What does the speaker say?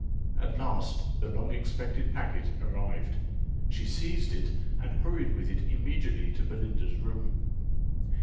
At last, the long expected packet arrived. She seized it, and hurried with it immediately to Belinda's room.